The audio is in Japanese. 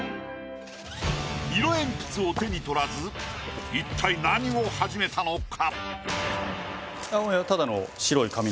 色えんぴつを手に取らず一体何を始めたのか？